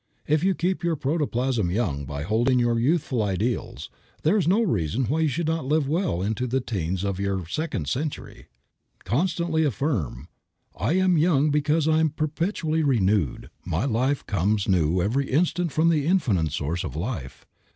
If you keep your protoplasm young by holding youthful ideals, there is no reason why you should not live well into the teens of your second century. Constantly affirm, "I am young because I am perpetually being renewed; my life comes new every instant from the Infinite Source of life.